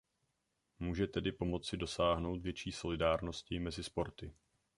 Může tedy pomoci dosáhnout větší solidárnosti mezi sporty.